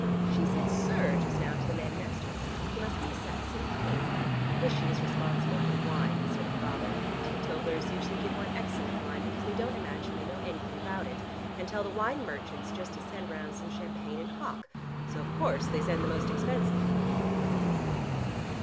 She said 'sir' just now to the man next her. He must be a Saxon king. I wish she was responsible for the wine instead of father: teetotalers usually give one excellent wine, because they don't imagine they know anything about it, and tell the wine merchants just to send round some champagne and hock. So of course they send the most expensive."